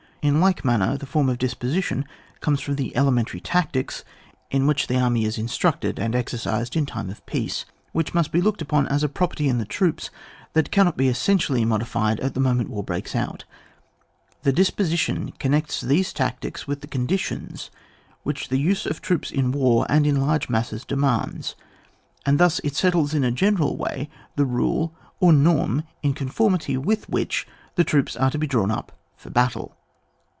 In like manner, the form of disposition comes from the elementary tactics, in which the army is instructed and exer 12 ON WAR. [book v. cised in time of peace, which must be looked upon as a property in the troops that cannot be essentially modified at the moment war breaks ou^ the disposition connects these tactics with the conditions which the use of the troops in war and in large masses demands, and thus it settles in a general way the rule or norm in con formity with which the troops are to be drawn up for battle.